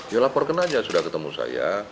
ya laporkan aja sudah ketemu saya